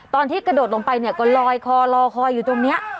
ตอนที่กระโดดลงไปเนี่ยก็ลอยคอลอยคออยู่ตรงนี้